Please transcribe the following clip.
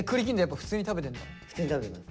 普通に食べてます。